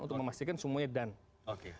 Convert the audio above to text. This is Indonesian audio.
untuk memastikan semuanya done